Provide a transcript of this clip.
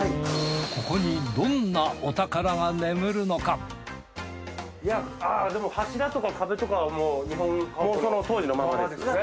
ここにどんなお宝が眠るのかでも柱とか壁とかはもう日本家屋のままですね。